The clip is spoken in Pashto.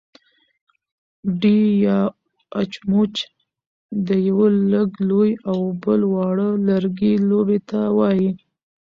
ډی يا اچموچ د يوۀ لږ لوی او بل واړۀ لرګي لوبې ته وايي.